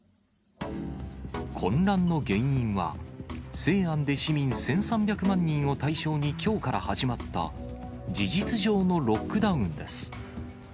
混乱の原因は、西安で市民１３００万人を対象にきょうから始まった事実上のロックダウンです。